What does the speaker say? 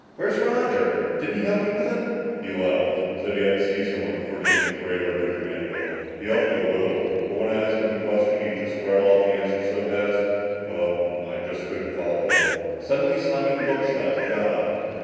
"Where's Roger? Didn't he help you with them?" "He left. Said he had to see someone before taking his radar bridge manual. He helped me a little. But when I'd ask him a question, he'd just rattle the answer off so fast well, I just couldn't follow him." Suddenly slamming the book shut, he got up.